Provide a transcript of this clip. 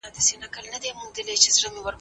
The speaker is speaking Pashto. په اسلام کي د بډایه او غریب ترمنځ توازن سته.